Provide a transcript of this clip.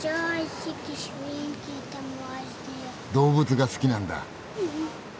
動物が好きなんだ？